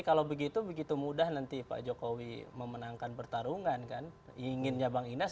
kalau begitu begitu mudah nanti pak jokowi memenangkan pertarungan kan inginnya bang inas